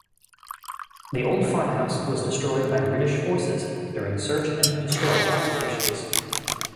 The old farmhouse was destroyed by British Forces during search and destroy operations.